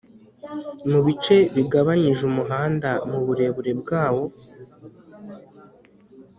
mu bice bigabanyije umuhanda mu burebure bwawo